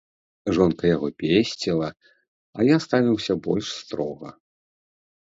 Жонка яго песціла, а я ставіўся больш строга.